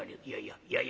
いやいや。